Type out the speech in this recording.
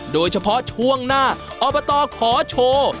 โดยเฉพาะช่วงหน้าอบตขอโชว์